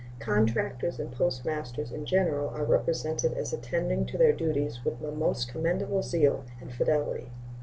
Contractors and postmasters in general are represented as attending to their duties with most commendable zeal and fidelity.